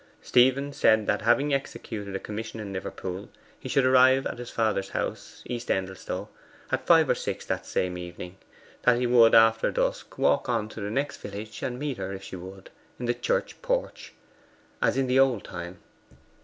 Stephen said that, having executed a commission in Liverpool, he should arrive at his father's house, East Endelstow, at five or six o'clock that same evening; that he would after dusk walk on to the next village, and meet her, if she would, in the church porch, as in the old time.